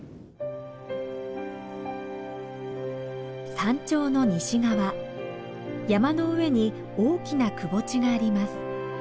山頂の西側山の上に大きな窪地があります。